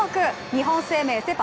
日本生命セ・パ